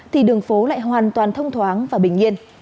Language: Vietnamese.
thì đường phố lại hoàn toàn thông thoáng và bình yên